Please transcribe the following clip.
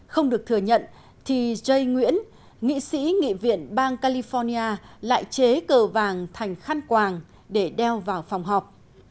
không được thừa nhận thì jay nguyễn nghị sĩ nghị viện bang california lại chế cơ vàng thành khăn quàng để đeo vào phòng học